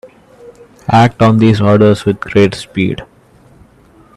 Act on these orders with great speed.